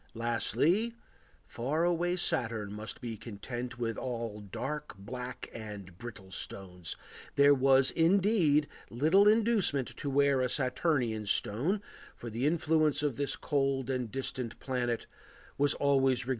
Lastly, far away Saturn must be content with all dark, black, and brittle stones; there was, indeed, little inducement to wear a Saturnian stone, for the influence of this cold and distant planet was always regarded as baleful.